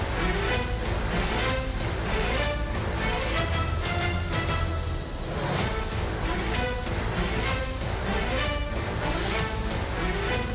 โปรดติดตามตอนต่อไป